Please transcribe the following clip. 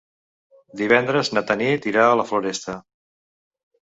Divendres na Tanit irà a la Floresta.